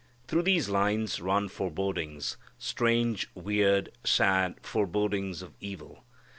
Through these lines run forebodings, strange, weird, sad forebodings of evil.